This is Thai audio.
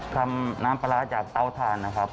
ทำน้ำปลาร้าจากเตาทานนะครับ